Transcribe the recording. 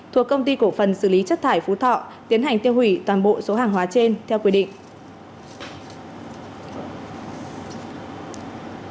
thuộc công ty cổ phần xử lý chất thải phú thọ tiến hành tiêu hủy toàn bộ số hàng hóa trên theo quy định